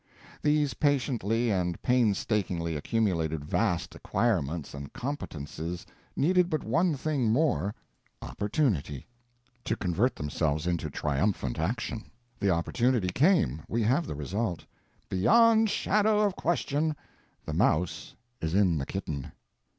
These patiently and painstakingly accumulated vast acquirements and competences needed but one thing more—opportunity—to convert themselves into triumphant action. The opportunity came, we have the result; beyond shadow of question the mouse is in the kitten.